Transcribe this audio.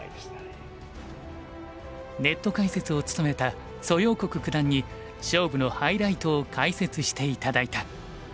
ネット解説を務めた蘇耀国九段に勝負のハイライトを解説して頂いた。